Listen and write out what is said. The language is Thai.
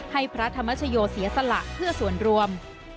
ให้พระธรรมชโยศิสระเพื่อส่วนรวม